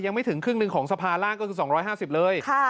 ยังไม่ถึงครึ่งหนึ่งของสภาร่างก็คือ๒๕๐เลย